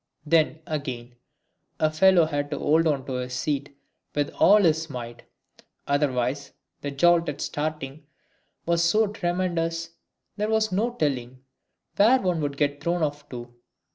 Then, again, a fellow had to hold on to his seat with all his might, otherwise the jolt at starting was so tremendous there was no telling where one would get thrown off to.